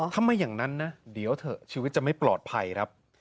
ถ้าไม่อย่างนั้นนะเดี๋ยวเถอะชีวิตจะไม่ปลอดภัยครับ